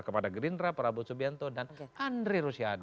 kepada rindra prabowo sudianto dan andreus yadu